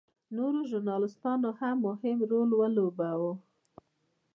نورو ژورنالېستانو هم مهم رول ولوباوه.